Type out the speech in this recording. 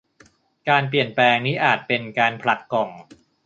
การเปลี่ยนแปลง นี่อาจเป็น การผลักกล่อง